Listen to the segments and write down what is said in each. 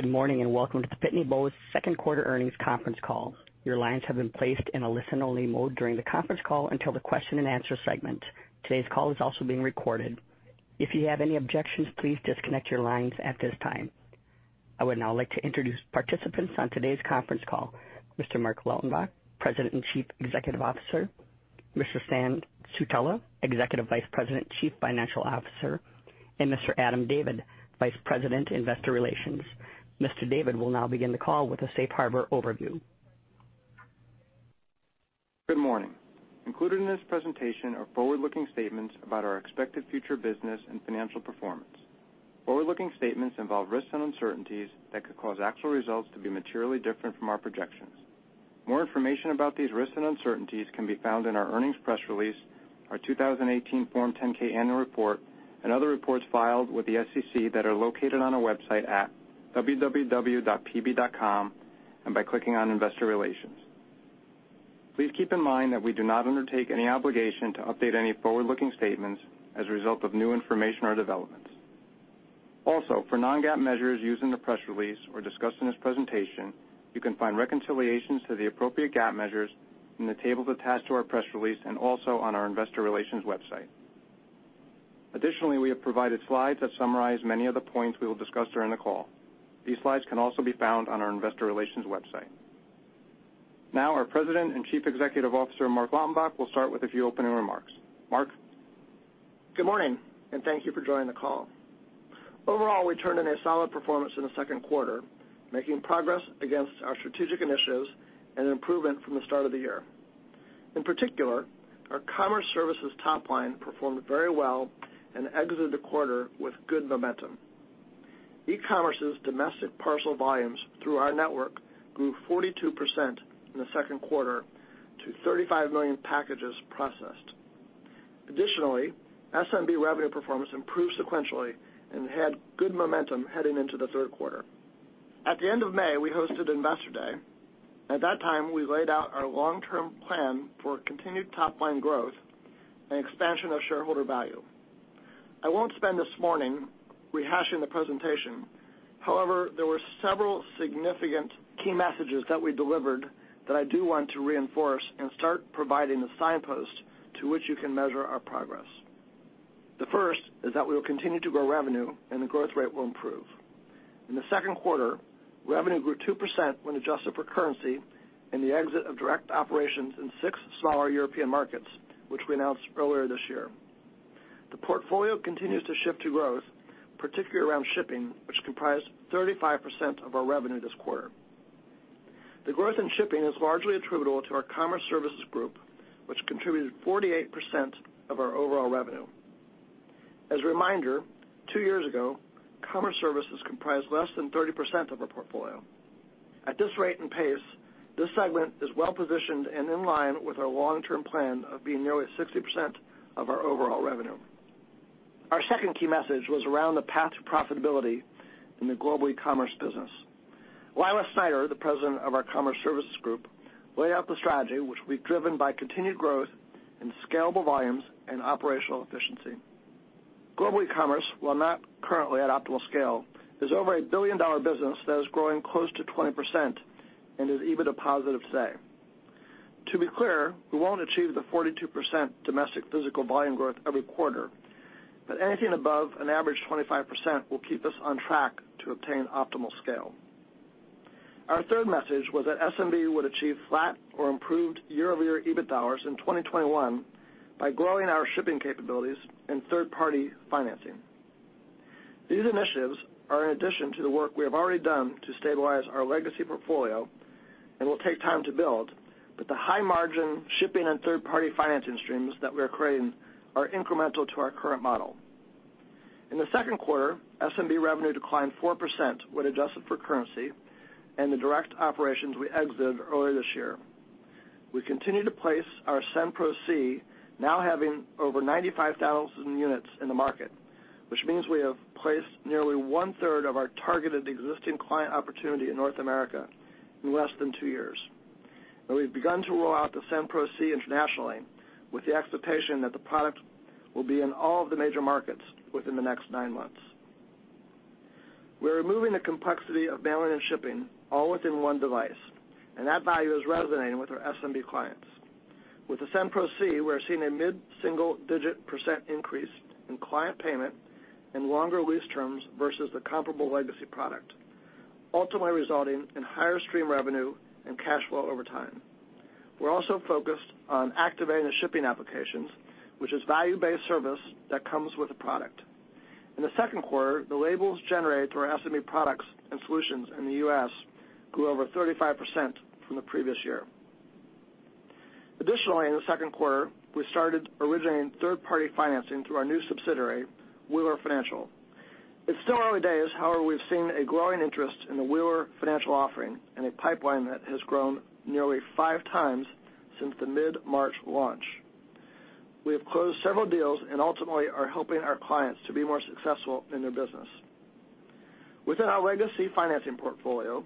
Good morning, welcome to the Pitney Bowes second quarter earnings conference call. Your lines have been placed in a listen-only mode during the conference call until the question and answer segment. Today's call is also being recorded. If you have any objections, please disconnect your lines at this time. I would now like to introduce participants on today's conference call, Mr. Marc Lautenbach, President and Chief Executive Officer, Mr. Stan Sutula, Executive Vice President, Chief Financial Officer, and Mr. Adam David, Vice President, Investor Relations. Mr. David will now begin the call with a safe harbor overview. Good morning. Included in this presentation are forward-looking statements about our expected future business and financial performance. Forward-looking statements involve risks and uncertainties that could cause actual results to be materially different from our projections. More information about these risks and uncertainties can be found in our earnings press release, our 2018 Form 10-K annual report, and other reports filed with the SEC that are located on our website at www.pb.com and by clicking on Investor Relations. Please keep in mind that we do not undertake any obligation to update any forward-looking statements as a result of new information or developments. Also, for non-GAAP measures used in the press release or discussed in this presentation, you can find reconciliations to the appropriate GAAP measures in the table attached to our press release and also on our investor relations website. Additionally, we have provided slides that summarize many of the points we will discuss during the call. These slides can also be found on our investor relations website. Now, our President and Chief Executive Officer, Marc Lautenbach, will start with a few opening remarks. Marc? Good morning, and thank you for joining the call. Overall, we turned in a solid performance in the second quarter, making progress against our strategic initiatives and an improvement from the start of the year. In particular, our Commerce Services top line performed very well and exited the quarter with good momentum. E-commerce's domestic parcel volumes through our network grew 42% in the second quarter to 35 million packages processed. Additionally, SMB revenue performance improved sequentially and had good momentum heading into the third quarter. At the end of May, we hosted Investor Day. At that time, we laid out our long-term plan for continued top-line growth and expansion of shareholder value. I won't spend this morning rehashing the presentation. There were several significant key messages that we delivered that I do want to reinforce and start providing the signpost to which you can measure our progress. The first is that we will continue to grow revenue, and the growth rate will improve. In the second quarter, revenue grew 2% when adjusted for currency and the exit of direct operations in six smaller European markets, which we announced earlier this year. The portfolio continues to shift to growth, particularly around shipping, which comprised 35% of our revenue this quarter. The growth in shipping is largely attributable to our Commerce Services group, which contributed 48% of our overall revenue. As a reminder, two years ago, Commerce Services comprised less than 30% of our portfolio. At this rate and pace, this segment is well-positioned and in line with our long-term plan of being nearly 60% of our overall revenue. Our second key message was around the path to profitability in the Global Ecommerce business. Lila Snyder, the President of our Commerce Services group, laid out the strategy which will be driven by continued growth and scalable volumes and operational efficiency. Global Ecommerce, while not currently at optimal scale, is over a billion-dollar business that is growing close to 20% and is EBITDA positive today. To be clear, we won't achieve the 42% domestic physical volume growth every quarter. Anything above an average 25% will keep us on track to obtain optimal scale. Our third message was that SMB would achieve flat or improved year-over-year EBIT dollars in 2021 by growing our shipping capabilities and third-party financing. These initiatives are in addition to the work we have already done to stabilize our legacy portfolio and will take time to build. The high-margin shipping and third-party financing streams that we are creating are incremental to our current model. In the second quarter, SMB revenue declined 4% when adjusted for currency and the direct operations we exited earlier this year. We continue to place our SendPro C, now having over 95,000 units in the market, which means we have placed nearly one-third of our targeted existing client opportunity in North America in less than two years. We've begun to roll out the SendPro C internationally with the expectation that the product will be in all of the major markets within the next nine months. We're removing the complexity of mailing and shipping all within one device, and that value is resonating with our SMB clients. With the SendPro C, we're seeing a mid-single-digit % increase in client payment and longer lease terms versus the comparable legacy product, ultimately resulting in higher stream revenue and cash flow over time. We're also focused on activating the shipping applications, which is value-based service that comes with the product. In the second quarter, the labels generated through our SMB products and solutions in the U.S. grew over 35% from the previous year. Additionally, in the second quarter, we started originating third-party financing through our new subsidiary, Wheeler Financial. It's still early days, however, we've seen a growing interest in the Wheeler Financial offering and a pipeline that has grown nearly five times since the mid-March launch. We have closed several deals and ultimately are helping our clients to be more successful in their business. Within our legacy financing portfolio,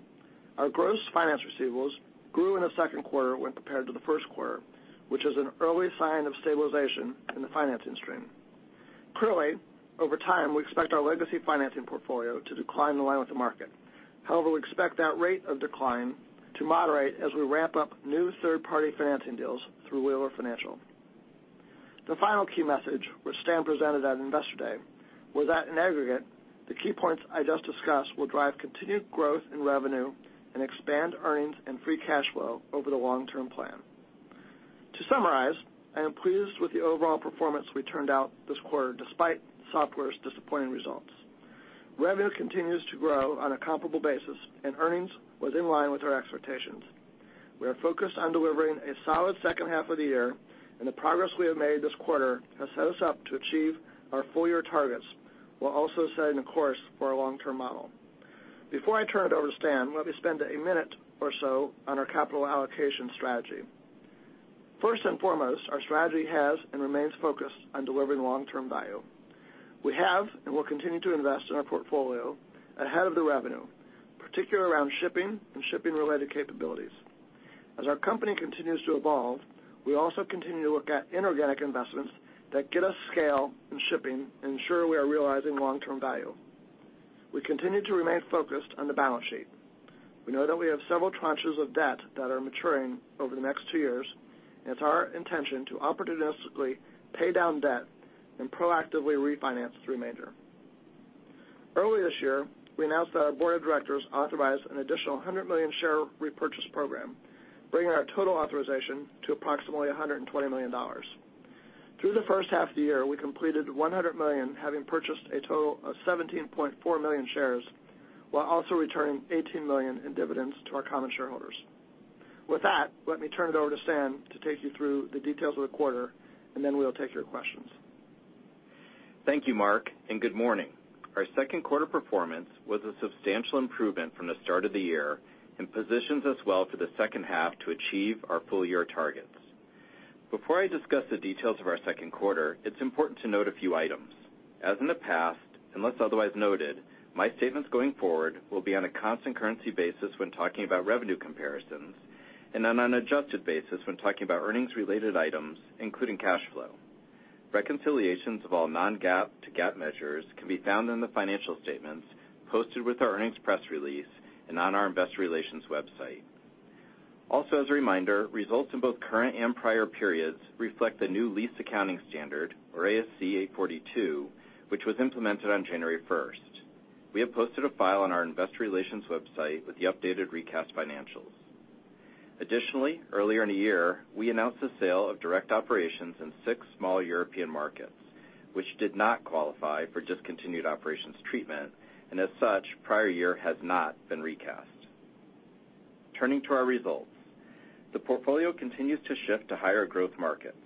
our gross finance receivables grew in the second quarter when compared to the first quarter, which is an early sign of stabilization in the financing stream. Over time, we expect our legacy financing portfolio to decline in line with the market. We expect that rate of decline to moderate as we ramp up new third-party financing deals through Wheeler Financial. The final key message, which Stan presented at Investor Day, was that in aggregate, the key points I just discussed will drive continued growth in revenue and expand earnings and free cash flow over the long-term plan. To summarize, I am pleased with the overall performance we turned out this quarter, despite software's disappointing results. Revenue continues to grow on a comparable basis, earnings was in line with our expectations. We are focused on delivering a solid second half of the year, the progress we have made this quarter has set us up to achieve our full-year targets, while also setting a course for our long-term model. Before I turn it over to Stan, let me spend a one minute or so on our capital allocation strategy. First and foremost, our strategy has and remains focused on delivering long-term value. We have and will continue to invest in our portfolio ahead of the revenue, particularly around shipping and shipping-related capabilities. As our company continues to evolve, we also continue to look at inorganic investments that get us scale in shipping and ensure we are realizing long-term value. We continue to remain focused on the balance sheet. We know that we have several tranches of debt that are maturing over the next two years. It's our intention to opportunistically pay down debt and proactively refinance. Early this year, we announced that our board of directors authorized an additional $100 million share repurchase program, bringing our total authorization to approximately $120 million. Through the first half of the year, we completed $100 million, having purchased a total of 17.4 million shares, while also returning $18 million in dividends to our common shareholders. With that, let me turn it over to Stan to take you through the details of the quarter, and then we'll take your questions. Thank you, Marc. Good morning. Our second quarter performance was a substantial improvement from the start of the year and positions us well for the second half to achieve our full-year targets. Before I discuss the details of our second quarter, it is important to note a few items. As in the past, unless otherwise noted, my statements going forward will be on a constant currency basis when talking about revenue comparisons, and on an adjusted basis when talking about earnings-related items, including cash flow. Reconciliations of all non-GAAP to GAAP measures can be found in the financial statements posted with our earnings press release and on our investor relations website. As a reminder, results in both current and prior periods reflect the new lease accounting standard, or ASC 842, which was implemented on January 1st. We have posted a file on our investor relations website with the updated recast financials. Additionally, earlier in the year, we announced the sale of direct operations in six small European markets, which did not qualify for discontinued operations treatment, and as such, prior year has not been recast. Turning to our results. The portfolio continues to shift to higher growth markets.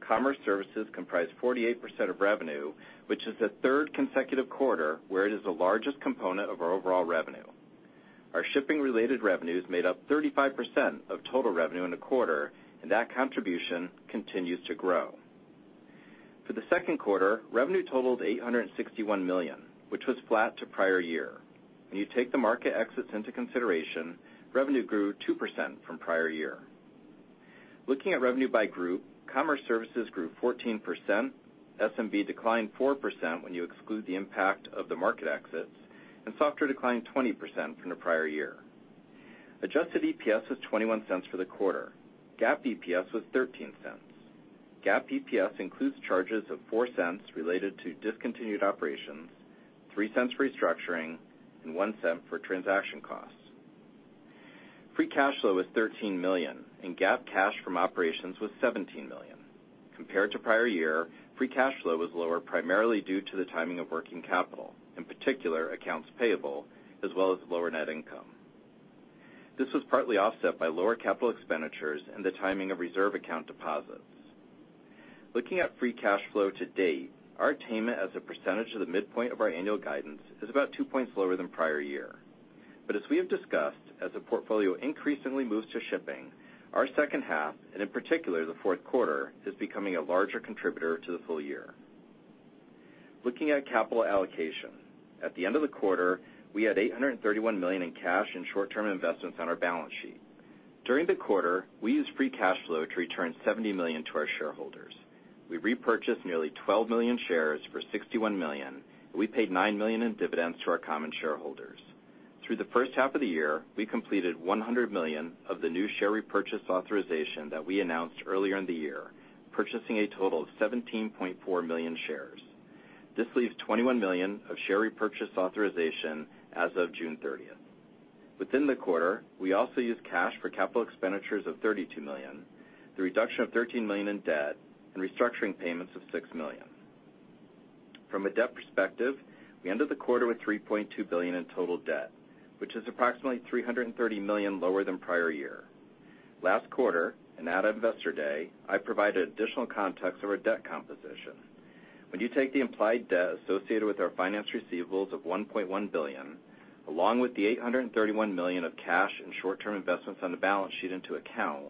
Commerce Services comprise 48% of revenue, which is the third consecutive quarter where it is the largest component of our overall revenue. Our shipping-related revenues made up 35% of total revenue in the quarter, and that contribution continues to grow. For the second quarter, revenue totaled $861 million, which was flat to prior year. When you take the market exits into consideration, revenue grew 2% from prior year. Looking at revenue by group, Commerce Services grew 14%, SMB declined 4% when you exclude the impact of the market exits, and Software declined 20% from the prior year. Adjusted EPS was $0.21 for the quarter. GAAP EPS was $0.13. GAAP EPS includes charges of $0.04 related to discontinued operations, $0.03 restructuring, and $0.01 for transaction costs. Free cash flow was $13 million, and GAAP cash from operations was $17 million. Compared to prior year, free cash flow was lower primarily due to the timing of working capital, in particular accounts payable, as well as lower net income. This was partly offset by lower capital expenditures and the timing of reserve account deposits. Looking at free cash flow to date, our attainment as a percentage of the midpoint of our annual guidance is about two points lower than prior year. As we have discussed, as the portfolio increasingly moves to shipping, our second half, and in particular, the fourth quarter, is becoming a larger contributor to the full year. Looking at capital allocation. At the end of the quarter, we had $831 million in cash and short-term investments on our balance sheet. During the quarter, we used free cash flow to return $70 million to our shareholders. We repurchased nearly 12 million shares for $61 million, and we paid $9 million in dividends to our common shareholders. Through the first half of the year, we completed $100 million of the new share repurchase authorization that we announced earlier in the year, purchasing a total of 17.4 million shares. This leaves $21 million of share repurchase authorization as of June 30th. Within the quarter, we also used cash for capital expenditures of $32 million, the reduction of $13 million in debt, and restructuring payments of $6 million. From a debt perspective, we ended the quarter with $3.2 billion in total debt, which is approximately $330 million lower than prior year. Last quarter, and at Investor Day, I provided additional context of our debt composition. When you take the implied debt associated with our finance receivables of $1.1 billion, along with the $831 million of cash and short-term investments on the balance sheet into account,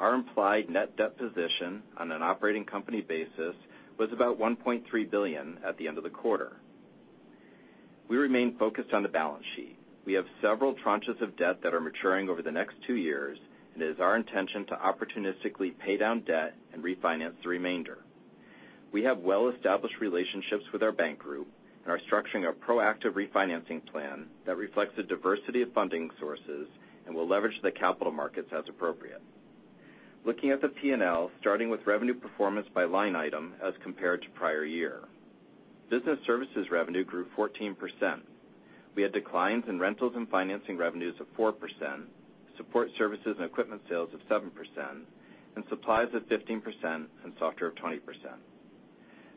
our implied net debt position on an operating company basis was about $1.3 billion at the end of the quarter. We remain focused on the balance sheet. We have several tranches of debt that are maturing over the next two years. It is our intention to opportunistically pay down debt and refinance the remainder. We have well-established relationships with our bank group and are structuring a proactive refinancing plan that reflects the diversity of funding sources and will leverage the capital markets as appropriate. Looking at the P&L, starting with revenue performance by line item as compared to prior year. Business services revenue grew 14%. We had declines in rentals and financing revenues of 4%, support services and equipment sales of 7%, and supplies of 15%, and software of 20%.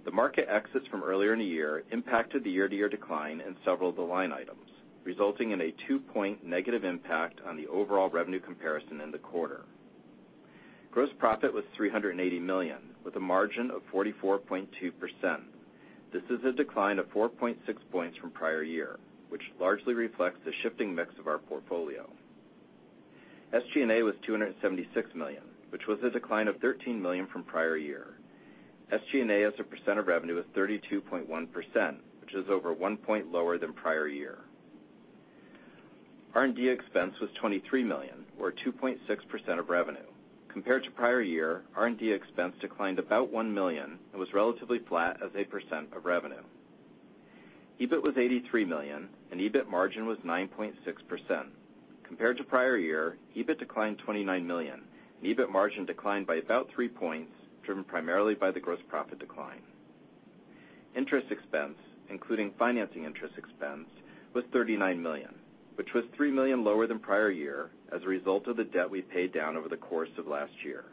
The market exits from earlier in the year impacted the year-to-year decline in several of the line items, resulting in a two-point negative impact on the overall revenue comparison in the quarter. Gross profit was $380 million, with a margin of 44.2%. This is a decline of 4.6 points from prior year, which largely reflects the shifting mix of our portfolio. SG&A was $276 million, which was a decline of $13 million from prior year. SG&A as a % of revenue is 32.1%, which is over one point lower than prior year. R&D expense was $23 million, or 2.6% of revenue. Compared to prior year, R&D expense declined about $1 million and was relatively flat as a % of revenue. EBIT was $83 million, and EBIT margin was 9.6%. Compared to prior year, EBIT declined $29 million, and EBIT margin declined by about three points, driven primarily by the gross profit decline. Interest expense, including financing interest expense, was $39 million, which was $3 million lower than prior year as a result of the debt we paid down over the course of last year.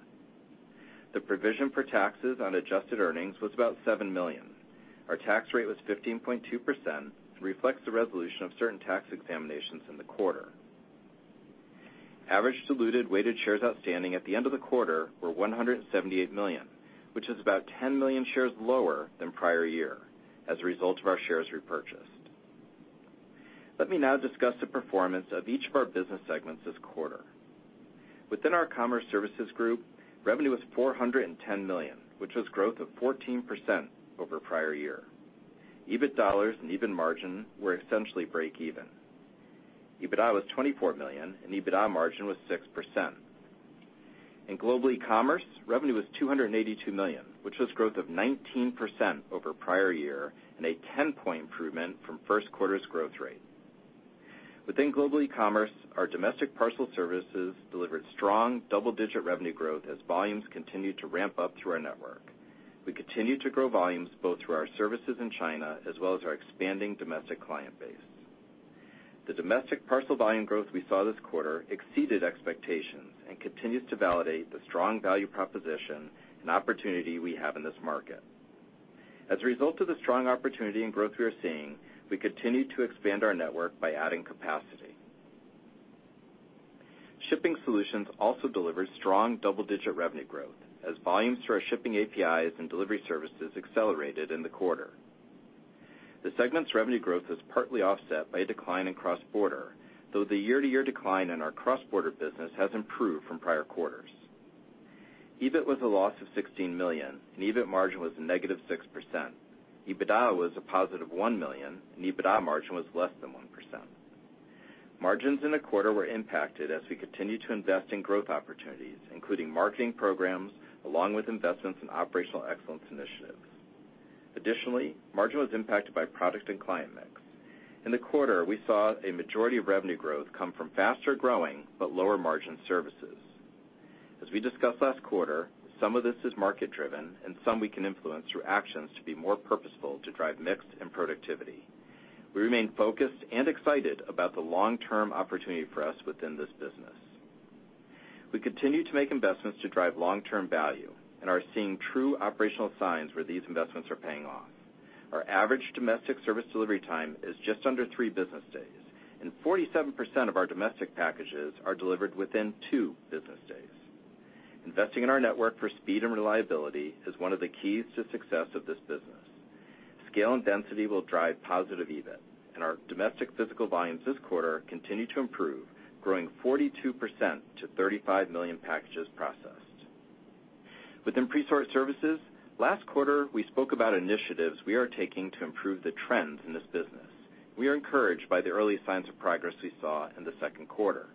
The provision for taxes on adjusted earnings was about $7 million. Our tax rate was 15.2% and reflects the resolution of certain tax examinations in the quarter. Average diluted weighted shares outstanding at the end of the quarter were $178 million, which is about $10 million shares lower than prior year as a result of our shares repurchased. Let me now discuss the performance of each of our business segments this quarter. Within our Commerce Services, revenue was $410 million, which was growth of 14% over prior year. EBIT dollars and EBIT margin were essentially break even. EBITDA was $24 million, and EBITDA margin was 6%. In Global Ecommerce, revenue was $282 million, which was growth of 19% over prior year and a 10-point improvement from first quarter's growth rate. Within Global Ecommerce, our domestic parcel services delivered strong double-digit revenue growth as volumes continued to ramp up through our network. We continued to grow volumes both through our services in China as well as our expanding domestic client base. The domestic parcel volume growth we saw this quarter exceeded expectations and continues to validate the strong value proposition and opportunity we have in this market. As a result of the strong opportunity and growth we are seeing, we continue to expand our network by adding capacity. Shipping Solutions also delivered strong double-digit revenue growth as volumes through our shipping APIs and delivery services accelerated in the quarter. The segment's revenue growth was partly offset by a decline in cross-border, though the year-to-year decline in our cross-border business has improved from prior quarters. EBIT was a loss of $16 million, and EBIT margin was a negative 6%. EBITDA was a positive $1 million, and EBITDA margin was less than 1%. Margins in the quarter were impacted as we continued to invest in growth opportunities, including marketing programs, along with investments in operational excellence initiatives. Additionally, margin was impacted by product and client mix. In the quarter, we saw a majority of revenue growth come from faster-growing but lower-margin services. As we discussed last quarter, some of this is market driven and some we can influence through actions to be more purposeful to drive mix and productivity. We remain focused and excited about the long-term opportunity for us within this business. We continue to make investments to drive long-term value and are seeing true operational signs where these investments are paying off. Our average domestic service delivery time is just under three business days, and 47% of our domestic packages are delivered within two business days. Investing in our network for speed and reliability is one of the keys to success of this business. Scale and density will drive positive EBIT, and our domestic physical volumes this quarter continue to improve, growing 42% to 35 million packages processed. Within Presort Services, last quarter, we spoke about initiatives we are taking to improve the trends in this business. We are encouraged by the early signs of progress we saw in the second quarter.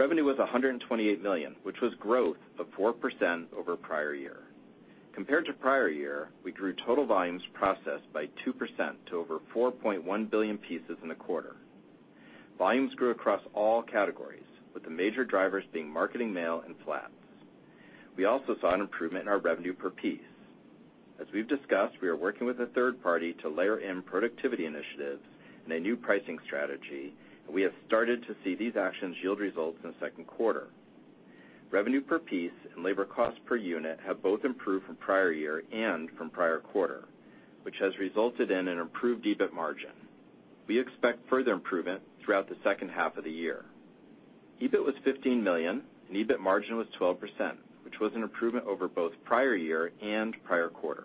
Revenue was $128 million, which was growth of 4% over prior year. Compared to prior year, we grew total volumes processed by 2% to over 4.1 billion pieces in the quarter. Volumes grew across all categories, with the major drivers being marketing mail and flats. We also saw an improvement in our revenue per piece. As we've discussed, we are working with a third party to layer in productivity initiatives and a new pricing strategy, and we have started to see these actions yield results in the second quarter. Revenue per piece and labor cost per unit have both improved from prior year and from prior quarter, which has resulted in an improved EBIT margin. We expect further improvement throughout the second half of the year. EBIT was $15 million, and EBIT margin was 12%, which was an improvement over both prior year and prior quarter.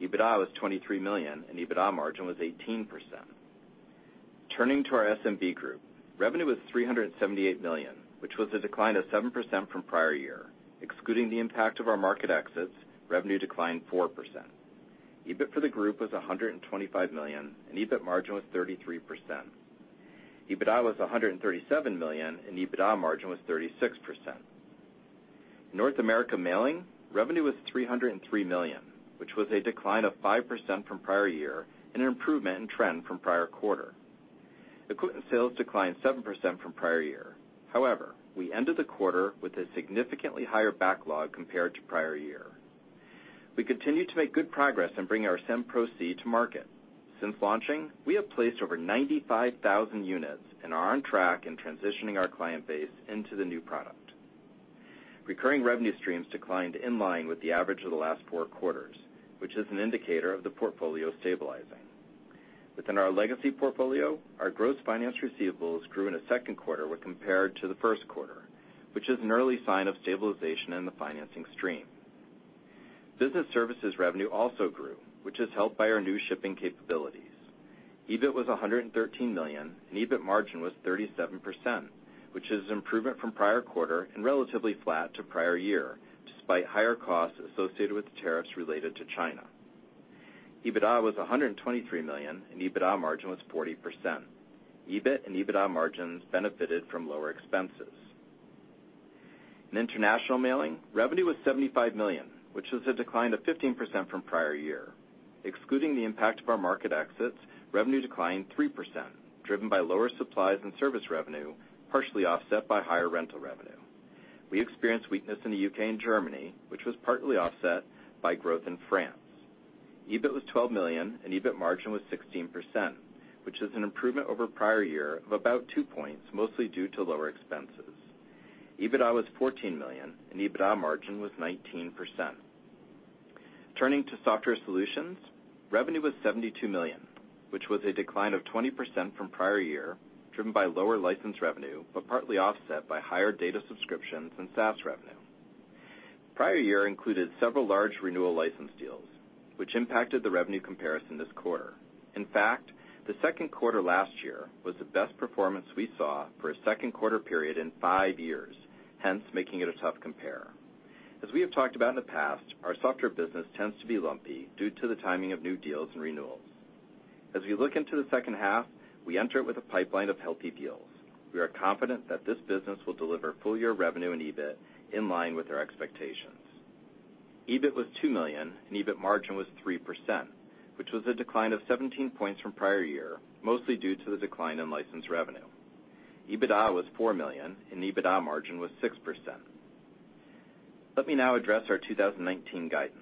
EBITDA was $23 million, and EBITDA margin was 18%. Turning to our SMB group. Revenue was $378 million, which was a decline of 7% from prior year. Excluding the impact of our market exits, revenue declined 4%. EBIT for the group was $125 million, and EBIT margin was 33%. EBITDA was $137 million, and EBITDA margin was 36%. North America Mailing, revenue was $303 million, which was a decline of 5% from prior year and an improvement in trend from prior quarter. Equipment sales declined 7% from prior year. However, we ended the quarter with a significantly higher backlog compared to prior year. We continue to make good progress in bringing our SendPro C to market. Since launching, we have placed over 95,000 units and are on track in transitioning our client base into the new product. Recurring revenue streams declined in line with the average of the last four quarters, which is an indicator of the portfolio stabilizing. Within our legacy portfolio, our gross finance receivables grew in the second quarter when compared to the first quarter, which is an early sign of stabilization in the financing stream. Business services revenue also grew, which is helped by our new shipping capabilities. EBIT was $113 million, and EBIT margin was 37%, which is an improvement from prior quarter and relatively flat to prior year, despite higher costs associated with the tariffs related to China. EBITDA was $123 million, and EBITDA margin was 40%. EBIT and EBITDA margins benefited from lower expenses. In International Mailing, revenue was $75 million, which was a decline of 15% from prior year. Excluding the impact of our market exits, revenue declined 3%, driven by lower supplies and service revenue, partially offset by higher rental revenue. We experienced weakness in the U.K. and Germany, which was partly offset by growth in France. EBIT was $12 million, and EBIT margin was 16%, which is an improvement over prior year of about two points, mostly due to lower expenses. EBITDA was $14 million, and EBITDA margin was 19%. Turning to Software Solutions, revenue was $72 million, which was a decline of 20% from prior year, driven by lower license revenue, but partly offset by higher data subscriptions and SaaS revenue. Prior year included several large renewal license deals, which impacted the revenue comparison this quarter. In fact, the second quarter last year was the best performance we saw for a second quarter period in five years, hence making it a tough compare. As we have talked about in the past, our software business tends to be lumpy due to the timing of new deals and renewals. As we look into the second half, we enter it with a pipeline of healthy deals. We are confident that this business will deliver full year revenue and EBIT in line with our expectations. EBIT was $2 million, and EBIT margin was 3%, which was a decline of 17 points from prior year, mostly due to the decline in license revenue. EBITDA was $4 million, and EBITDA margin was 6%. Let me now address our 2019 guidance.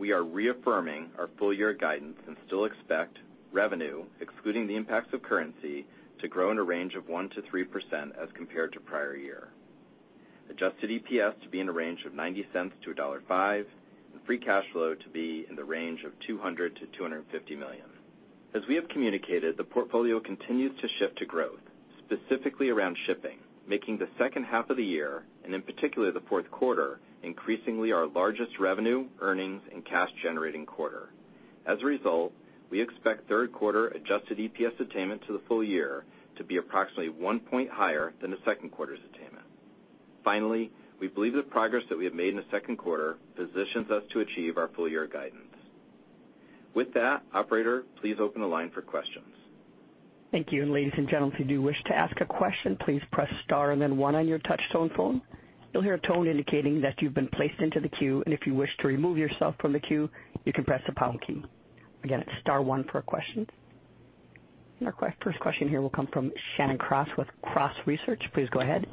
We are reaffirming our full year guidance and still expect revenue, excluding the impacts of currency, to grow in a range of 1% to 3% as compared to prior year. Adjusted EPS to be in a range of $0.90-$1.50, and free cash flow to be in the range of $200 million-$250 million. As we have communicated, the portfolio continues to shift to growth, specifically around shipping, making the second half of the year, and in particular the fourth quarter, increasingly our largest revenue, earnings, and cash generating quarter. As a result, we expect third quarter adjusted EPS attainment to the full year to be approximately one point higher than the second quarter's attainment. Finally, we believe the progress that we have made in the second quarter positions us to achieve our full year guidance. With that, operator, please open the line for questions. Thank you. Ladies and gentlemen, if you do wish to ask a question, please press star and then 1 on your touch tone phone. You'll hear a tone indicating that you've been placed into the queue, and if you wish to remove yourself from the queue, you can press the pound key. Again, it's star 1 for a question. Our first question here will come from Shannon Cross with Cross Research. Please go ahead.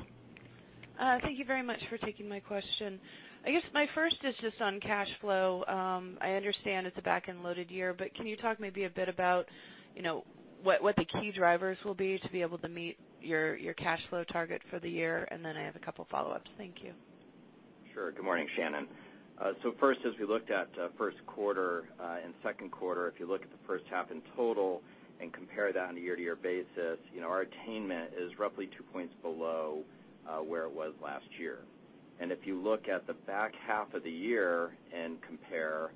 Thank you very much for taking my question. I guess my first is just on cash flow. I understand it's a back-end loaded year, but can you talk maybe a bit about what the key drivers will be to be able to meet your cash flow target for the year? Then I have a couple of follow-ups. Thank you. Sure. Good morning, Shannon. First, as we looked at first quarter and second quarter, if you look at the first half in total and compare that on a year-over-year basis, our attainment is roughly two points below where it was last year. If you look at the back half of the year and compare,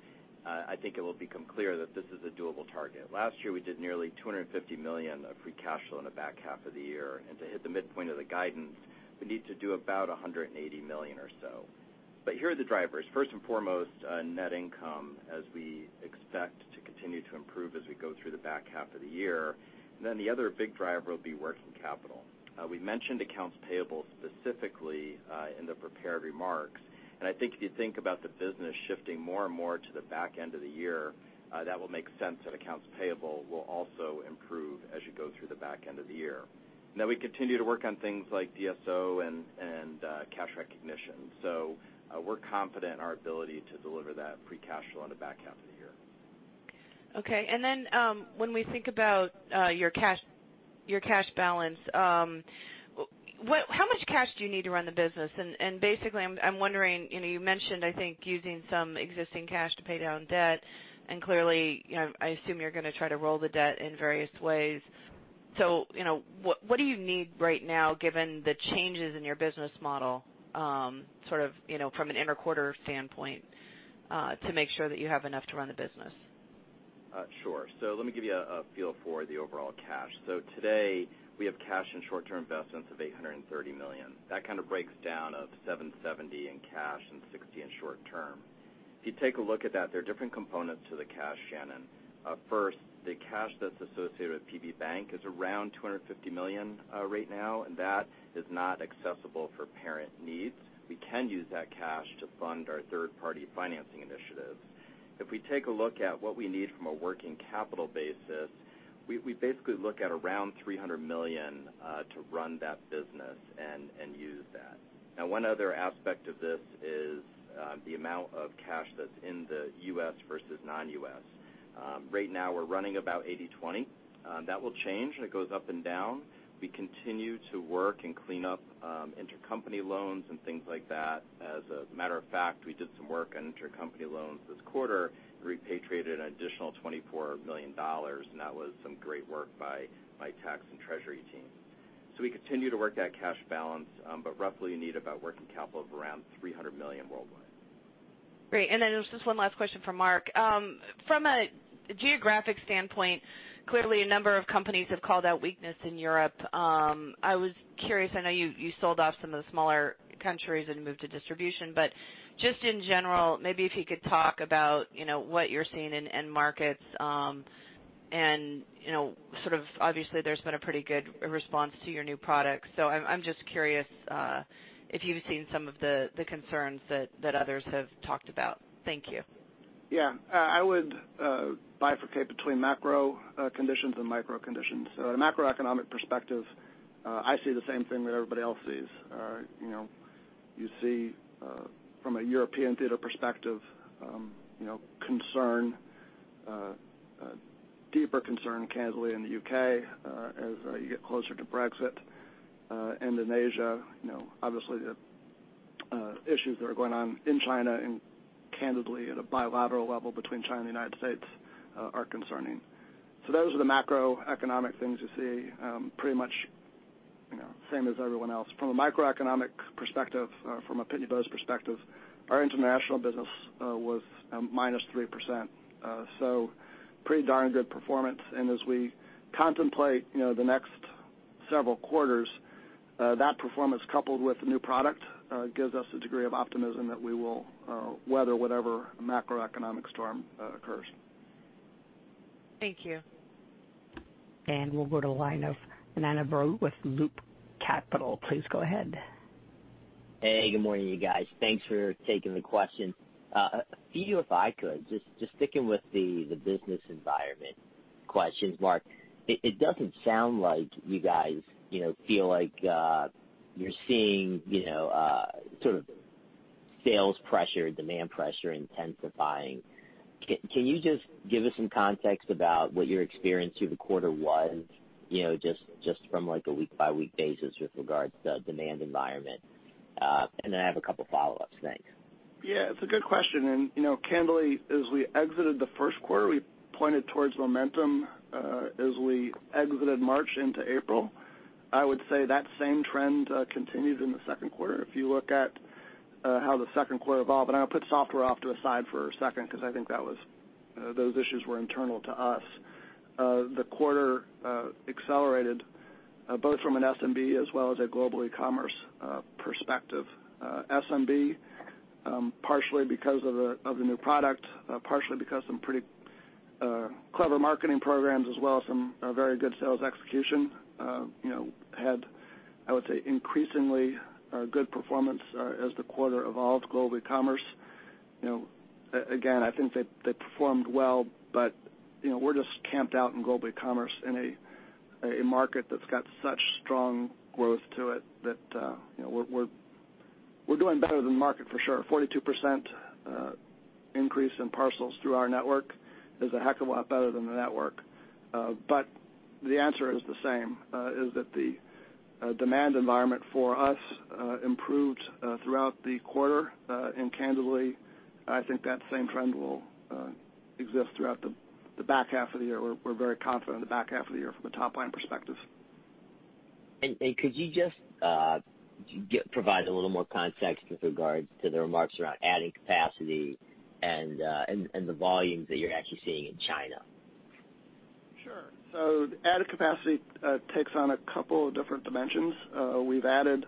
I think it will become clear that this is a doable target. Last year, we did nearly $250 million of free cash flow in the back half of the year. To hit the midpoint of the guidance, we need to do about $180 million or so. Here are the drivers. First and foremost, net income, as we expect to continue to improve as we go through the back half of the year. The other big driver will be working capital. We mentioned accounts payable specifically in the prepared remarks. I think if you think about the business shifting more and more to the back end of the year, that will make sense that accounts payable will also improve as you go through the back end of the year. Then we continue to work on things like DSO and cash recognition. We're confident in our ability to deliver that free cash flow in the back half of the year. Okay. When we think about your cash balance, how much cash do you need to run the business? Basically, I'm wondering, you mentioned, I think, using some existing cash to pay down debt, and clearly, I assume you're going to try to roll the debt in various ways. What do you need right now given the changes in your business model, sort of from an inter-quarter standpoint, to make sure that you have enough to run the business? Sure. Let me give you a feel for the overall cash. Today, we have cash and short-term investments of $830 million. That kind of breaks down of $770 in cash and $60 in short-term. If you take a look at that, there are different components to the cash, Shannon. First, the cash that's associated with PB Bank is around $250 million right now, and that is not accessible for parent needs. We can use that cash to fund our third-party financing initiatives. If we take a look at what we need from a working capital basis, we basically look at around $300 million to run that business and use that. One other aspect of this is the amount of cash that's in the U.S. versus non-U.S. Right now we're running about 80/20. That will change, and it goes up and down. We continue to work and clean up intercompany loans and things like that. As a matter of fact, we did some work on intercompany loans this quarter and repatriated an additional $24 million, and that was some great work by my tax and treasury team. We continue to work that cash balance, but roughly need about working capital of around $300 million worldwide. Great. There's just one last question from Marc. From a geographic standpoint, clearly a number of companies have called out weakness in Europe. I was curious, I know you sold off some of the smaller countries and moved to distribution, but just in general, maybe if you could talk about what you're seeing in end markets and obviously there's been a pretty good response to your new product. I'm just curious if you've seen some of the concerns that others have talked about. Thank you. I would bifurcate between macro conditions and micro conditions. In a macroeconomic perspective, I see the same thing that everybody else sees. You see from a European theater perspective concern, deeper concern candidly in the U.K., as you get closer to Brexit. In Asia, obviously the issues that are going on in China and candidly at a bilateral level between China and the United States are concerning. Those are the macroeconomic things you see, pretty much same as everyone else. From a microeconomic perspective, from a Pitney Bowes perspective, our international business was minus 3%. Pretty darn good performance. As we contemplate the next several quarters, that performance coupled with the new product gives us a degree of optimism that we will weather whatever macroeconomic storm occurs. Thank you. We'll go to the line of Ananda Baruah with Loop Capital. Please go ahead. Hey, good morning, you guys. Thanks for taking the question. A few, if I could, just sticking with the business environment questions, Marc. It doesn't sound like you guys feel like you're seeing sort of sales pressure, demand pressure intensifying. Can you just give us some context about what your experience through the quarter was just from like a week-by-week basis with regards to demand environment? I have a couple of follow-ups. Thanks. Yeah. It's a good question. Candidly, as we exited the first quarter, we pointed towards momentum as we exited March into April. I would say that same trend continues in the second quarter. I'm going to put software off to the side for a second because I think those issues were internal to us. The quarter accelerated both from an SMB as well as a Global Ecommerce perspective. SMB, partially because of the new product, partially because some pretty clever marketing programs as well as some very good sales execution had, I would say, increasingly good performance as the quarter evolved. Global Ecommerce, again, I think they performed well, but we're just camped out in Global Ecommerce in a market that's got such strong growth to it that we're doing better than the market for sure. 42% increase in parcels through our network is a heck of a lot better than the network. The answer is the same, is that the demand environment for us improved throughout the quarter. Candidly, I think that same trend will exist throughout the back half of the year. We're very confident in the back half of the year from a top-line perspective. Could you just provide a little more context with regards to the remarks around adding capacity and the volumes that you're actually seeing in China? Sure. The added capacity takes on a couple of different dimensions. We've added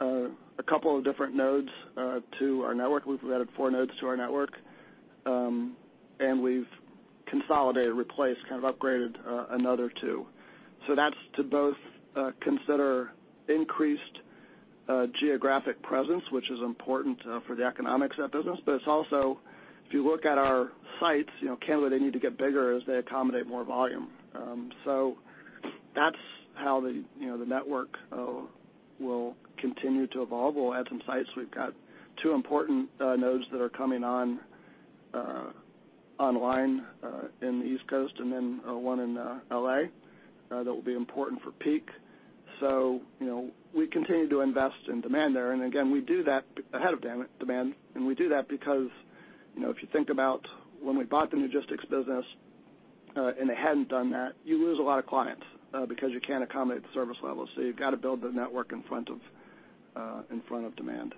a couple of different nodes to our network. We've added four nodes to our network, and we've consolidated, replaced, kind of upgraded another two. That's to both consider increased geographic presence, which is important for the economics of that business. It's also, if you look at our sites, candidly, they need to get bigger as they accommodate more volume. That's how the network will continue to evolve. We'll add some sites. We've got two important nodes that are coming online in the East Coast and then one in L.A. that will be important for peak. We continue to invest in demand there. Again, we do that ahead of demand. We do that because if you think about when we bought the logistics business, and they hadn't done that, you lose a lot of clients because you can't accommodate the service levels. You've got to build the network in front of demand.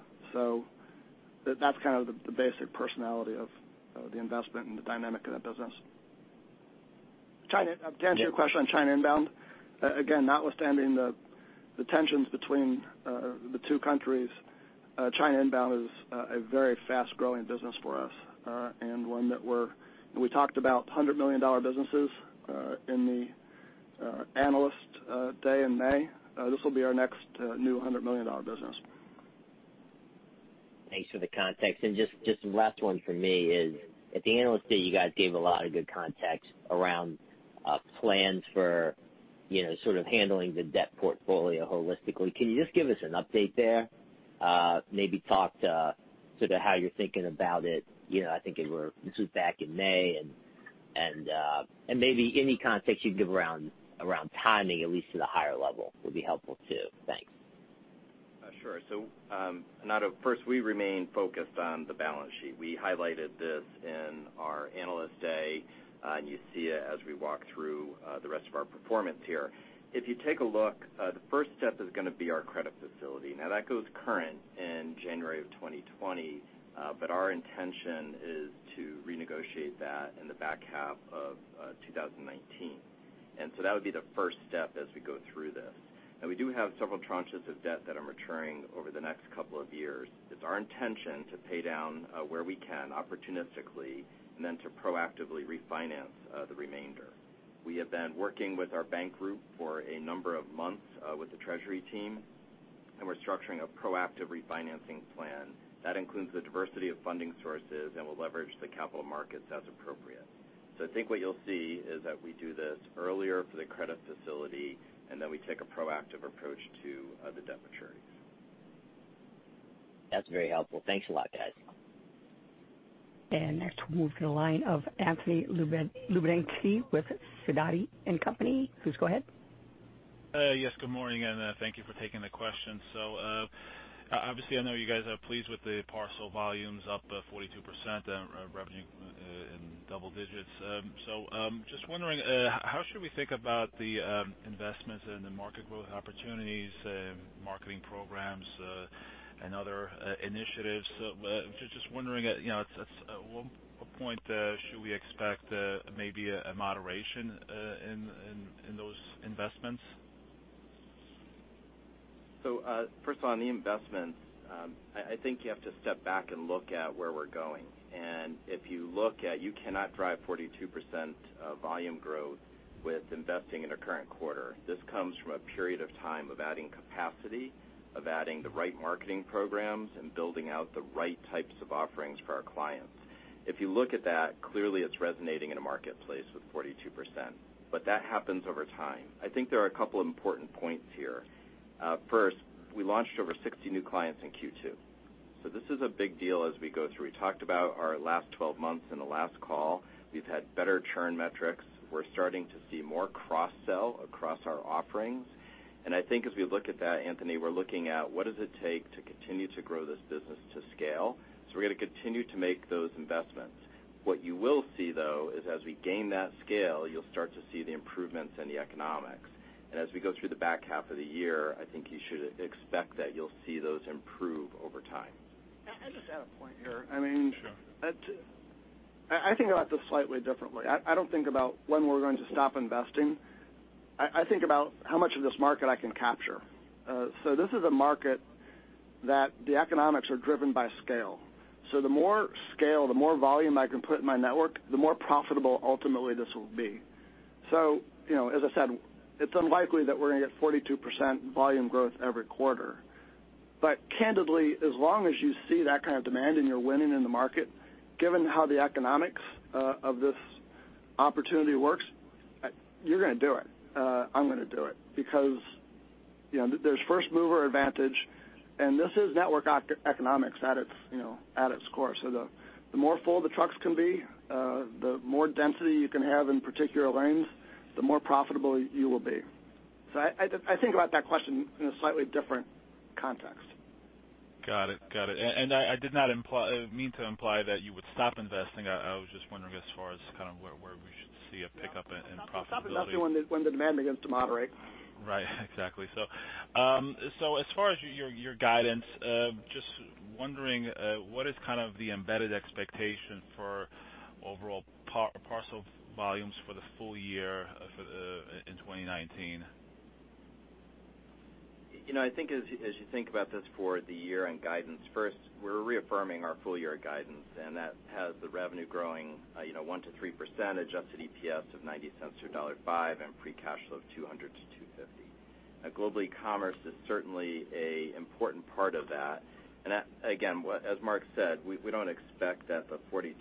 That's kind of the basic personality of the investment and the dynamic of that business. China, to answer your question on China inbound. Notwithstanding the tensions between the two countries, China inbound is a very fast-growing business for us, and one that we talked about $100 million businesses in the Analyst Day in May. This will be our next new $100 million business. Thanks for the context. Just last one for me is, at the Analyst Day, you guys gave a lot of good context around plans for sort of handling the debt portfolio holistically. Can you just give us an update there? Maybe talk to how you're thinking about it. I think this was back in May, and maybe any context you'd give around timing, at least to the higher level, would be helpful, too. Thanks. Sure. Ananda, first, we remain focused on the balance sheet. We highlighted this in our Analyst Day, and you see it as we walk through the rest of our performance here. If you take a look, the first step is going to be our credit facility. That goes current in January of 2020. Our intention is to renegotiate that in the back half of 2019. That would be the first step as we go through this. We do have several tranches of debt that are maturing over the next couple of years. It's our intention to pay down where we can opportunistically and then to proactively refinance the remainder. We have been working with our bank group for a number of months with the treasury team, and we're structuring a proactive refinancing plan. That includes the diversity of funding sources and will leverage the capital markets as appropriate. I think what you'll see is that we do this earlier for the credit facility, and then we take a proactive approach to the debt maturities. That's very helpful. Thanks a lot, guys. Next, we'll move to the line of Anthony Lebiedzinski with Sidoti & Company. Please go ahead. Yes, good morning, and thank you for taking the question. Obviously, I know you guys are pleased with the parcel volumes up 42%, revenue in double digits. Just wondering, how should we think about the investments and the market growth opportunities and marketing programs, and other initiatives? Just wondering at what point should we expect maybe a moderation in those investments? First on the investments, I think you have to step back and look at where we're going. If you look at, you cannot drive 42% volume growth with investing in a current quarter. This comes from a period of time of adding capacity, of adding the right marketing programs, and building out the right types of offerings for our clients. If you look at that, clearly it's resonating in a marketplace with 42%, but that happens over time. I think there are a couple important points here. First, we launched over 60 new clients in Q2. This is a big deal as we go through. We talked about our last 12 months in the last call. We've had better churn metrics. We're starting to see more cross-sell across our offerings. I think as we look at that, Anthony, we're looking at what does it take to continue to grow this business to scale. We're going to continue to make those investments. What you will see, though, is as we gain that scale, you'll start to see the improvements in the economics. As we go through the back half of the year, I think you should expect that you'll see those improve over time. I just add a point here. Sure. I think about this slightly differently. I don't think about when we're going to stop investing. I think about how much of this market I can capture. This is a market that the economics are driven by scale. The more scale, the more volume I can put in my network, the more profitable ultimately this will be. As I said, it's unlikely that we're going to get 42% volume growth every quarter. Candidly, as long as you see that kind of demand and you're winning in the market, given how the economics of this opportunity works, you're going to do it. I'm going to do it because there's first mover advantage, and this is network economics at its core. The more full the trucks can be, the more density you can have in particular lanes, the more profitable you will be. I think about that question in a slightly different context. Got it. I did not mean to imply that you would stop investing. I was just wondering as far as where we should see a pickup in profitability. Stop investing when the demand begins to moderate. Right. Exactly. As far as your guidance, just wondering what is the embedded expectation for overall parcel volumes for the full year in 2019? I think as you think about this for the year and guidance, first, we're reaffirming our full-year guidance, and that has the revenue growing 1%-3%, adjusted EPS of $0.90-$1.05, and free cash flow of $200-$250. Global Ecommerce is certainly an important part of that. Again, as Marc said, we don't expect that the 42%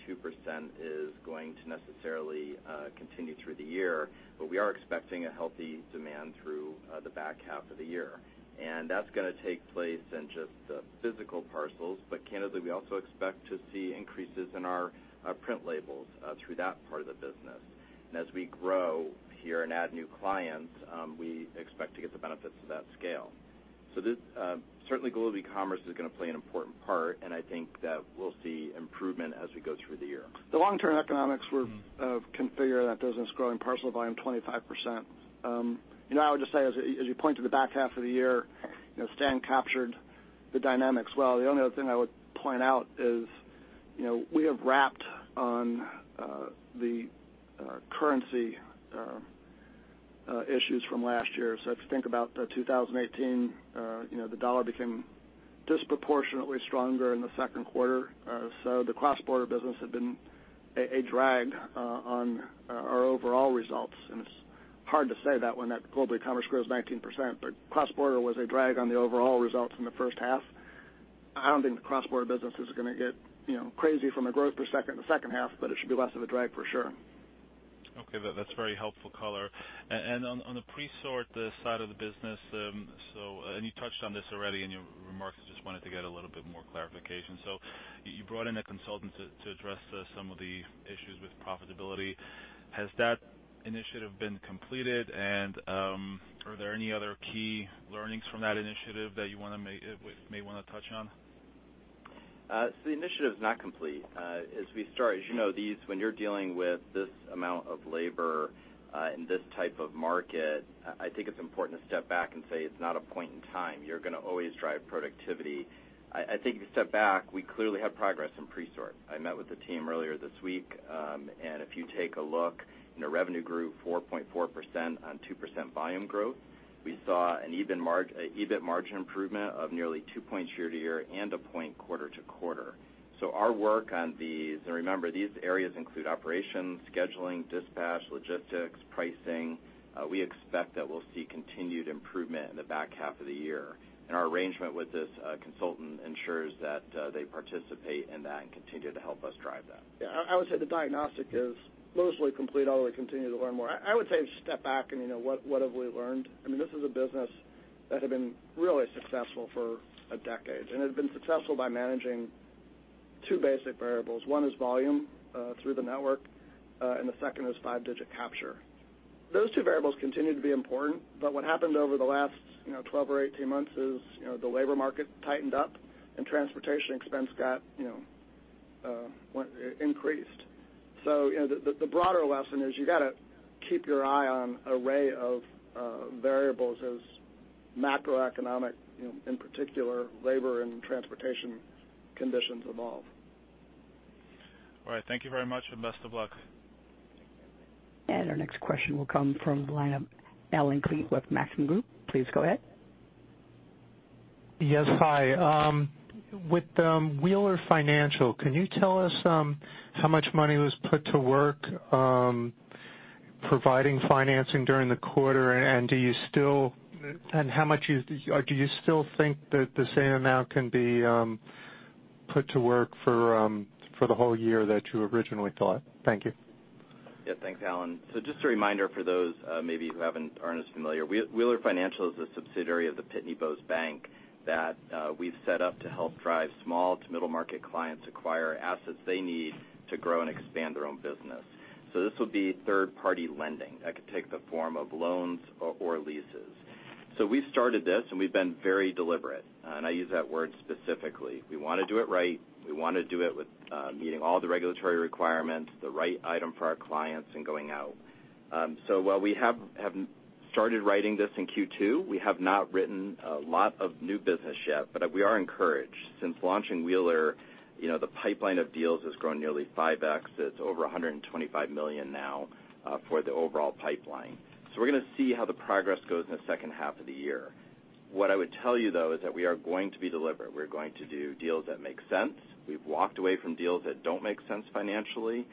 is going to necessarily continue through the year. We are expecting a healthy demand through the back half of the year. That's going to take place in just the physical parcels. Candidly, we also expect to see increases in our print labels through that part of the business. As we grow here and add new clients, we expect to get the benefits of that scale. Certainly Global Ecommerce is going to play an important part, and I think that we'll see improvement as we go through the year. The long-term economics were configured on that business growing parcel volume 25%. I would just say, as you point to the back half of the year, Stan captured the dynamics well. The only other thing I would point out is we have wrapped on the currency issues from last year. If you think about 2018, the dollar became disproportionately stronger in the second quarter. The cross-border business had been a drag on our overall results, and it's hard to say that when that Global Ecommerce grows 19%, but cross-border was a drag on the overall results in the first half. I don't think the cross-border business is going to get crazy from a growth perspective in the second half, but it should be less of a drag for sure. Okay. That's very helpful color. On the presort side of the business, and you touched on this already in your remarks, I just wanted to get a little bit more clarification. You brought in a consultant to address some of the issues with profitability. Has that initiative been completed? Are there any other key learnings from that initiative that you may want to touch on? The initiative is not complete. As we start, as you know, when you're dealing with this amount of labor in this type of market, I think it's important to step back and say it's not a point in time. You're going to always drive productivity. I think if you step back, we clearly have progress in Presort. I met with the team earlier this week, and if you take a look, revenue grew 4.4% on 2% volume growth. We saw an EBIT margin improvement of nearly two points year-over-year and one point quarter-over-quarter. Our work on these, and remember, these areas include operations, scheduling, dispatch, logistics, pricing. We expect that we'll see continued improvement in the back half of the year. Our arrangement with this consultant ensures that they participate in that and continue to help us drive that. Yeah, I would say the diagnostic is mostly complete, although we continue to learn more. I would say step back and what have we learned? This is a business that had been really successful for a decade, and it had been successful by managing two basic variables. One is volume through the network, and the second is five-digit capture. Those two variables continue to be important, but what happened over the last 12 or 18 months is the labor market tightened up and transportation expense increased. The broader lesson is you got to keep your eye on array of variables as macroeconomic, in particular labor and transportation conditions evolve. All right. Thank you very much and best of luck. Our next question will come from the line of Allen Klee with Maxim Group. Please go ahead. Yes. Hi. With Wheeler Financial, can you tell us how much money was put to work providing financing during the quarter, and do you still think that the same amount can be put to work for the whole year that you originally thought? Thank you. Yeah, thanks, Allen. Just a reminder for those maybe who aren't as familiar. Wheeler Financial is a subsidiary of the Pitney Bowes Bank that we've set up to help drive small to middle market clients acquire assets they need to grow and expand their own business. This would be third-party lending that could take the form of loans or leases. We've started this, and we've been very deliberate, and I use that word specifically. We want to do it right. We want to do it with meeting all the regulatory requirements, the right item for our clients, and going out. While we have started writing this in Q2, we have not written a lot of new business yet, but we are encouraged. Since launching Wheeler, the pipeline of deals has grown nearly 5X. It's over $125 million now for the overall pipeline. We're going to see how the progress goes in the second half of the year. What I would tell you, though, is that we are going to be deliberate. We're going to do deals that make sense. We've walked away from deals that don't make sense financially.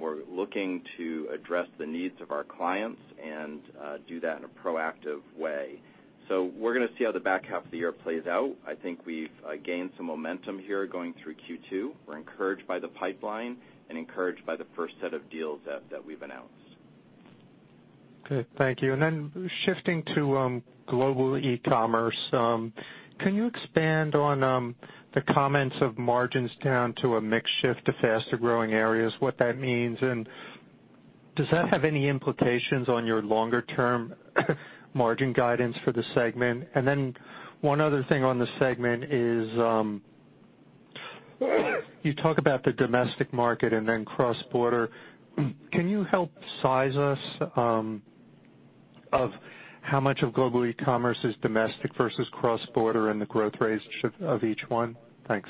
We're looking to address the needs of our clients and do that in a proactive way. We're going to see how the back half of the year plays out. I think we've gained some momentum here going through Q2. We're encouraged by the pipeline and encouraged by the first set of deals that we've announced. Okay. Thank you. Shifting to Global Ecommerce. Can you expand on the comments of margins down to a mix shift to faster-growing areas, what that means, and does that have any implications on your longer-term margin guidance for the segment? One other thing on the segment is you talk about the domestic market and then cross-border. Can you help size us of how much of Global Ecommerce is domestic versus cross-border and the growth rates of each one? Thanks.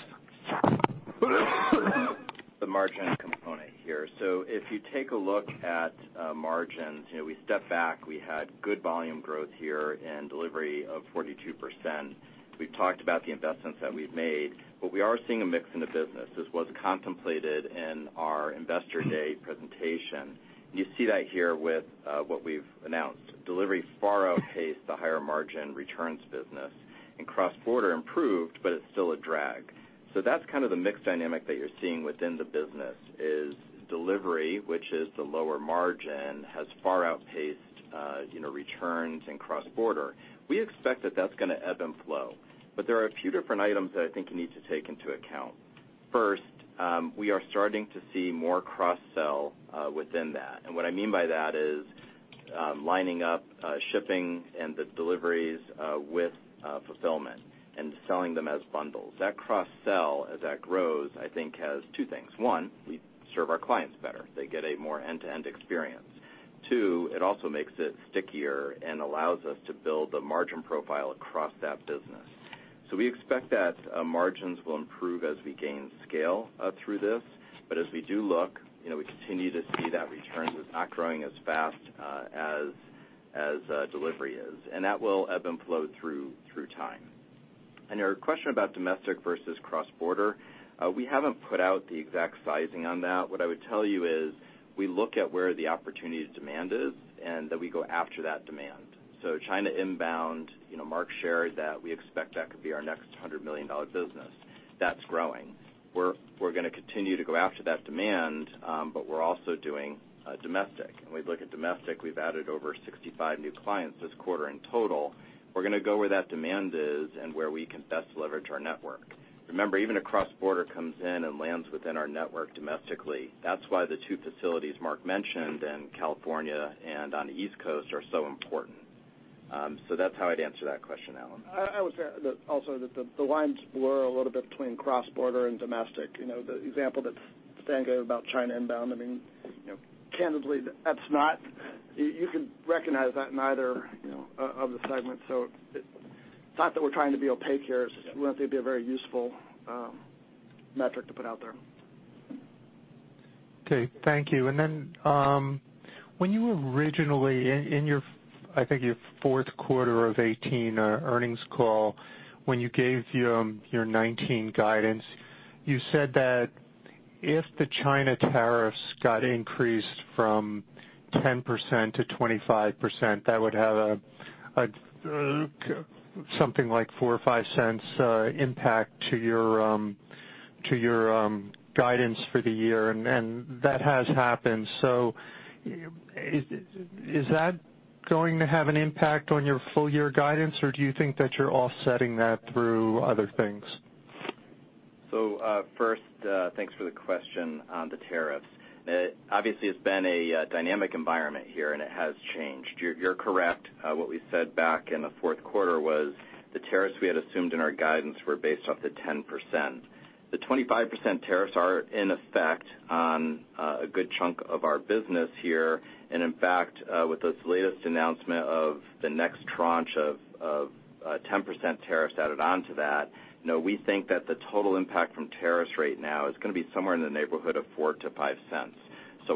The margin component here. If you take a look at margins, we step back, we had good volume growth here and delivery of 42%. We've talked about the investments that we've made, but we are seeing a mix in the business, as was contemplated in our Investor Day presentation. You see that here with what we've announced. Delivery far outpaced the higher margin returns business, and cross-border improved, but it's still a drag. That's kind of the mix dynamic that you're seeing within the business is delivery, which is the lower margin, has far outpaced returns and cross-border. We expect that that's going to ebb and flow, but there are a few different items that I think you need to take into account. First, we are starting to see more cross-sell within that. What I mean by that is lining up shipping and the deliveries with fulfillment and selling them as bundles. That cross-sell, as that grows, I think has two things. One, we serve our clients better. They get a more end-to-end experience. Two, it also makes it stickier and allows us to build the margin profile across that business. We expect that margins will improve as we gain scale through this. As we do look, we continue to see that returns is not growing as fast as delivery is, and that will ebb and flow through time. Your question about domestic versus cross-border, we haven't put out the exact sizing on that. What I would tell you is we look at where the opportunity demand is, and then we go after that demand. China inbound, Mark shared that we expect that could be our next $100 million business. That's growing. We're going to continue to go after that demand, but we're also doing domestic. We look at domestic, we've added over 65 new clients this quarter in total. We're going to go where that demand is and where we can best leverage our network. Remember, even a cross-border comes in and lands within our network domestically. That's why the two facilities Mark mentioned in California and on the East Coast are so important. That's how I'd answer that question, Allen. I would say that also that the lines blur a little bit between cross-border and domestic. The example that Stan gave about China inbound, candidly, you could recognize that in either of the segments. It's not that we're trying to be opaque here. We don't think it'd be a very useful metric to put out there. Okay. Thank you. When you originally, in your, I think, your fourth quarter of 2018 earnings call, when you gave your 2019 guidance, you said that if the China tariffs got increased from 10%-25%, that would have something like $0.04 or $0.05 impact to your guidance for the year, and that has happened. Is that going to have an impact on your full year guidance, or do you think that you're offsetting that through other things? First, thanks for the question on the tariffs. Obviously, it's been a dynamic environment here, and it has changed. You're correct. What we said back in the fourth quarter was the tariffs we had assumed in our guidance were based off the 10%. The 25% tariffs are in effect on a good chunk of our business here. In fact, with this latest announcement of the next tranche of a 10% tariff added on to that, we think that the total impact from tariffs right now is going to be somewhere in the neighborhood of $0.04 to $0.05.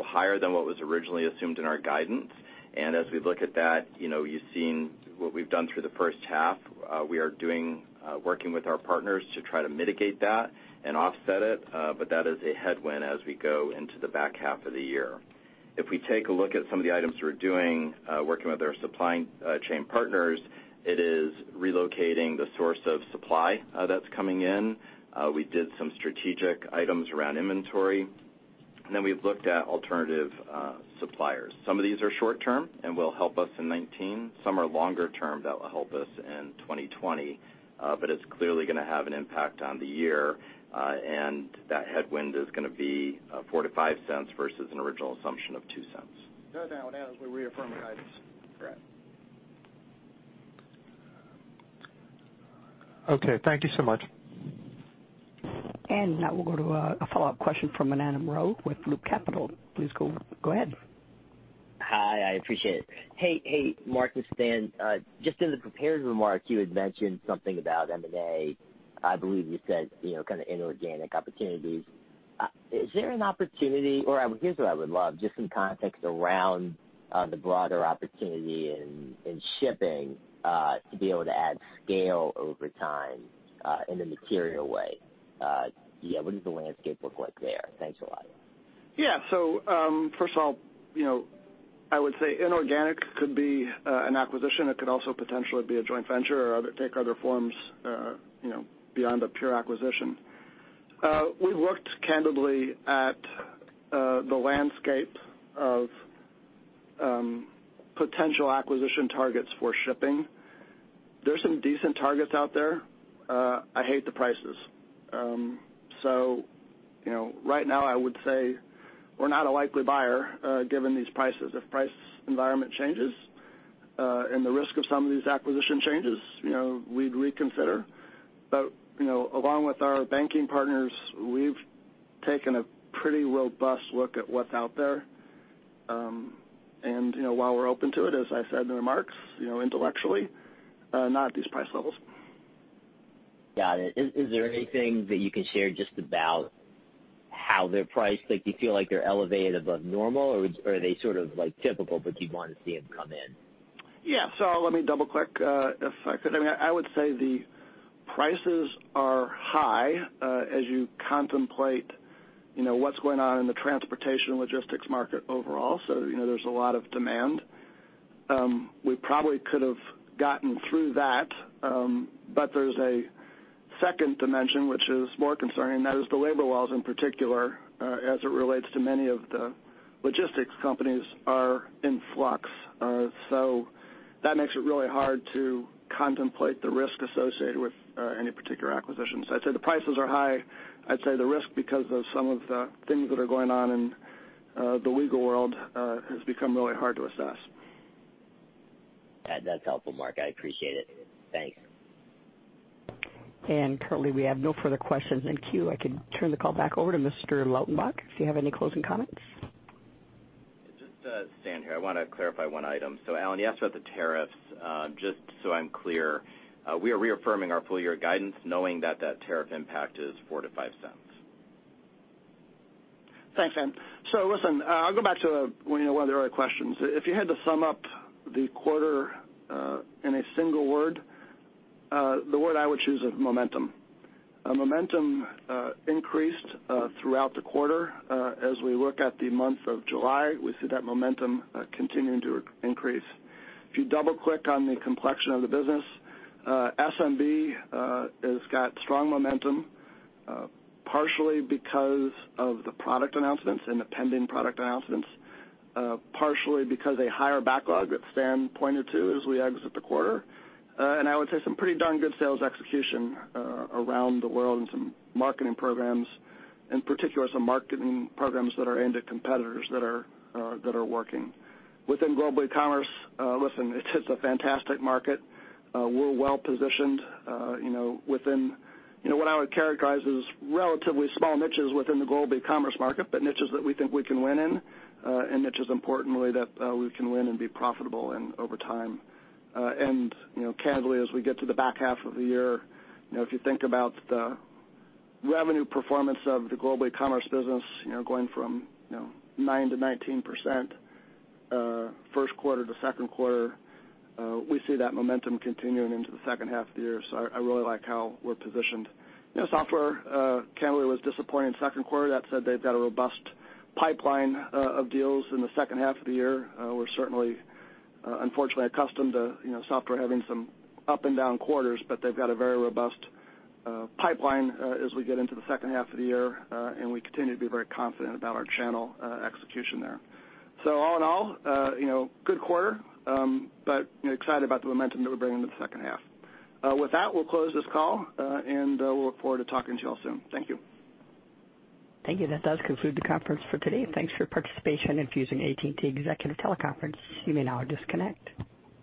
Higher than what was originally assumed in our guidance. As we look at that, you've seen what we've done through the first half. We are working with our partners to try to mitigate that and offset it. That is a headwind as we go into the back half of the year. If we take a look at some of the items we're doing, working with our supply chain partners, it is relocating the source of supply that's coming in. We did some strategic items around inventory. We've looked at alternative suppliers. Some of these are short-term and will help us in 2019. Some are longer term that will help us in 2020. It's clearly going to have an impact on the year. That headwind is going to be $0.04-$0.05 versus an original assumption of $0.02. The other thing I would add is we reaffirm the guidance. Correct. Okay. Thank you so much. Now we'll go to a follow-up question from Ananda Baruah with Loop Capital. Please go ahead. Hi, I appreciate it. Hey, Marc and Stan. Just in the prepared remarks, you had mentioned something about M&A. I believe you said, inorganic opportunities. Is there an opportunity, or here's what I would love, just some context around the broader opportunity in shipping to be able to add scale over time in a material way. What does the landscape look like there? Thanks a lot. First of all, I would say inorganic could be an acquisition. It could also potentially be a joint venture or take other forms, beyond a pure acquisition. We looked candidly at the landscape of potential acquisition targets for shipping. There's some decent targets out there. I hate the prices. Right now, I would say we're not a likely buyer given these prices. If price environment changes, and the risk of some of these acquisition changes, we'd reconsider. Along with our banking partners, we've taken a pretty robust look at what's out there. While we're open to it, as I said in the remarks, intellectually, not at these price levels. Got it. Is there anything that you can share just about how they're priced? Do you feel like they're elevated above normal, or are they sort of typical, but you'd want to see them come in? Let me double-click if I could. I would say the prices are high as you contemplate what's going on in the transportation logistics market overall. There's a lot of demand. We probably could have gotten through that, but there's a second dimension which is more concerning, and that is the labor laws in particular, as it relates to many of the logistics companies are in flux. That makes it really hard to contemplate the risk associated with any particular acquisitions. I'd say the prices are high. I'd say the risk because of some of the things that are going on in the legal world has become really hard to assess. That's helpful, Marc. I appreciate it. Thanks. Currently, we have no further questions in queue. I can turn the call back over to Mr. Lautenbach, if you have any closing comments. Just Stan here, I want to clarify one item. Allen, you asked about the tariffs. Just so I'm clear, we are reaffirming our full-year guidance knowing that that tariff impact is $0.04-$0.05. Thanks, Stan. Listen, I'll go back to one of the other questions. If you had to sum up the quarter in a single word, the word I would choose is momentum. Momentum increased throughout the quarter. As we look at the month of July, we see that momentum continuing to increase. If you double-click on the complexion of the business, SMB has got strong momentum, partially because of the product announcements and the pending product announcements, partially because a higher backlog that Stan pointed to as we exit the quarter. I would say some pretty darn good sales execution around the world and some marketing programs, in particular, some marketing programs that are aimed at competitors that are working. Within Global Ecommerce, listen, it's a fantastic market. We're well-positioned within what I would characterize as relatively small niches within the Global Ecommerce market, but niches that we think we can win in, and niches, importantly, that we can win and be profitable in over time. Casually, as we get to the back half of the year, if you think about the revenue performance of the Global Ecommerce business, going from 9% to 19%, first quarter to second quarter, we see that momentum continuing into the second half of the year. I really like how we're positioned. Software, candidly, was disappointing second quarter. That said, they've got a robust pipeline of deals in the second half of the year. We're certainly, unfortunately, accustomed to software having some up and down quarters, but they've got a very robust pipeline as we get into the second half of the year, and we continue to be very confident about our channel execution there. All in all, good quarter, but excited about the momentum that we'll bring into the second half. With that, we'll close this call, and we'll look forward to talking to you all soon. Thank you. Thank you. That does conclude the conference for today. Thanks for your participation in Fusion AT&T executive teleconference. You may now disconnect.